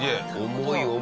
重い重い。